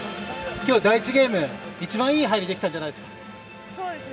今日は第１ゲーム一番いい入りができたんじゃないですか。